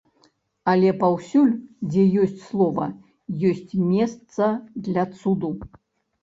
Але паўсюль, дзе ёсць слова, ёсць месца для цуду.